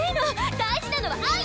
大事なのは愛よ！